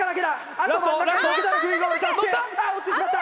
あ落ちてしまった！